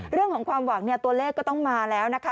เรื่องของความหวังตัวเลขก็ต้องมาแล้วนะคะ